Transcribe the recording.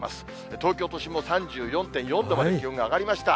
東京都心も３４．４度まで気温が上がりました。